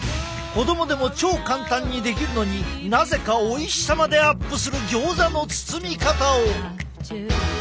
子供でも超簡単にできるのになぜかおいしさまでアップするギョーザの包み方を！